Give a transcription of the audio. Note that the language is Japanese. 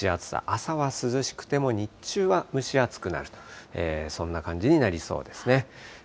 朝は涼しくても、日中は蒸し暑くなる、そんな感じになりそうですね。